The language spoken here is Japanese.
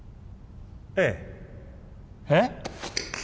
えええっ？